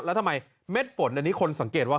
แล้วทำไมเม็ดฝนอันนี้คนสังเกตว่า